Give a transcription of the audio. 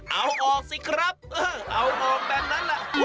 เอาออกสิครับเอ้าเอาออกแบบนั้นล่ะ